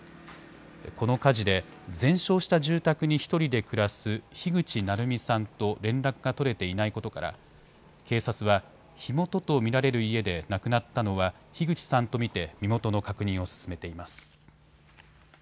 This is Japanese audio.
この火事で全焼した住宅に１人で暮らす樋口ナルミさんと連絡が取れていないことから警察は火元と見られる家で亡くなったのは樋口さんと見て身元の確認を進めています。